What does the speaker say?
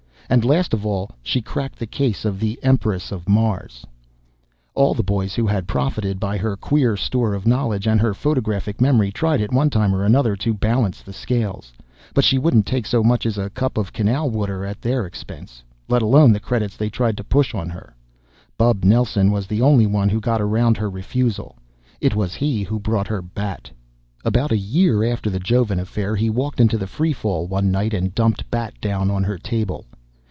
And, last of all, she cracked the case of the Empress of Mars. All the boys who had profited by her queer store of knowledge and her photographic memory tried at one time or another to balance the scales. But she wouldn't take so much as a cup of Canal water at their expense, let alone the credits they tried to push on her. Bub Nelson was the only one who got around her refusal. It was he who brought her Bat. About a year after the Jovan affair he walked into the Free Fall one night and dumped Bat down on her table.